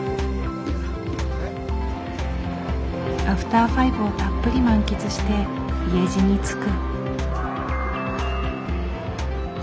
アフターファイブをたっぷり満喫して家路につく。